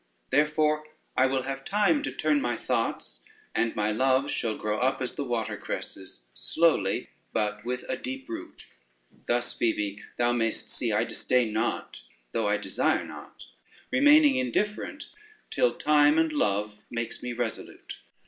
Therefore I will have time to turn my thoughts, and my loves shall grow up as the watercresses, slowly, but with a deep root. Thus, Phoebe, thou mayest see I disdain not, though I desire not; remaining indifferent till time and love makes me resolute.